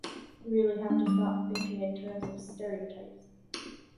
You really have to stop thinking in terms of stereotypes.